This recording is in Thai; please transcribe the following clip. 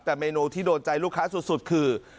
แต่เมนูที่โดนใจลูกค้าสุดคือ